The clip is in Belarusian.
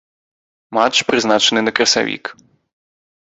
Матч прызначаны на красавік.